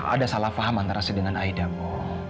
ada salah pahaman terasa dengan aida ibu